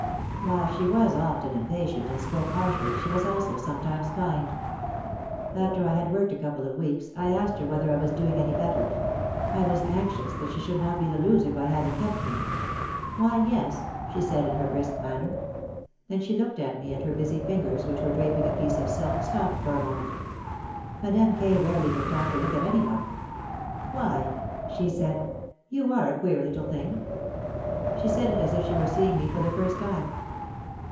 While she was often impatient and spoke harshly she was also sometimes kind. After I had worked a couple of weeks I asked her whether I was doing any better ; I was anxious that she should not be the loser by having kept me. "Why, yes," she said in her brisk man ner. Then she looked at me and her busy fingers, which were draping a piece of silk, stopped for a moment. Madame K. rarely took time to look at any one. "Why," she said, "you are a queer little thing!" She said it as if she were seeing me for the first time.